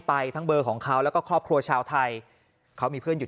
ไปทั้งเบอร์ของเขาแล้วก็ครอบครัวชาวไทยเขามีเพื่อนอยู่